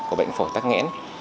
của bệnh phổ tác nghẽn